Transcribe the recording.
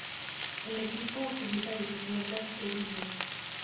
El equipo utiliza bicicletas "Eddy Merckx".